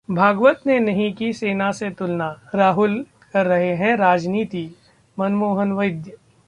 भागवत ने नहीं की सेना से तुलना, राहुल कर रहे राजनीति: मनमोहन वैद्य